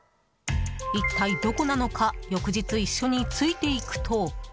一体どこなのか翌日、一緒についていくと。